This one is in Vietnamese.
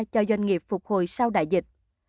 cho doanh nghiệp phục hồi sau đại dịch